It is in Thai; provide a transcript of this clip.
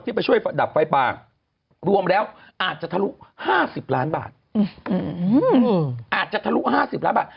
ไปช่วยดับไฟป่ารวมแล้วอาจจะทะลุ๕๐ล้านบาทอาจจะทะลุ๕๐ล้านบาท